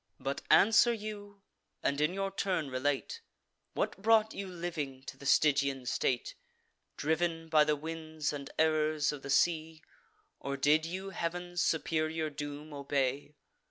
But answer you; and in your turn relate, What brought you, living, to the Stygian state: Driv'n by the winds and errors of the sea, Or did you Heav'n's superior doom obey?